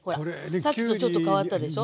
さっきとちょっと変わったでしょ。